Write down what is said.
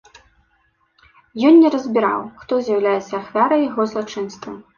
Ён не разбіраў, хто з'яўляецца ахвярай яго злачынства.